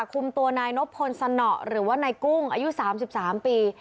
คุมตัวนายนบพลสนอหรือว่านายกุ้งอายุ๓๓ปี